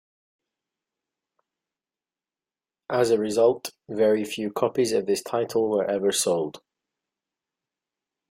As a result, very few copies of this title were ever sold.